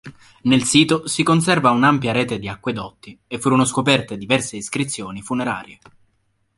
Nel sito si conserva un'ampia rete di acquedotti e furono scoperte diverse iscrizioni funerarie.